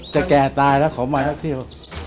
แต่แก่ตายแล้วขอมาแทบเที่ยว